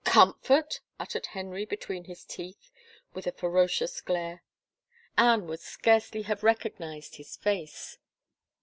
"Comfort?" uttered Henry between his teeth, with a ferocious glare. Anne would scarcely have recognized 128 AN INOPPORTUNE EVENT his face.